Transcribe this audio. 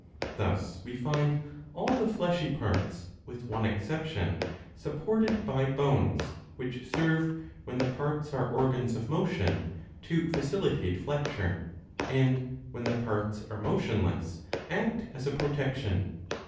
Thus we find all the fleshy parts, with one exception, supported by bones, which serve, when the parts are organs of motion, to facilitate flexure, and, when the parts are motionless, act as a protection.